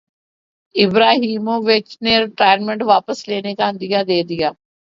Ibrahimovic نے retirement واپس لینے کا عندیہ دیدیا